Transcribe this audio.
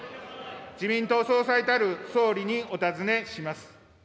自民党総裁たる総理にお尋ねします。